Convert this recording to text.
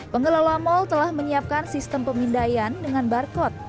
pengelola mal telah menyiapkan sistem pemindaian dengan barcode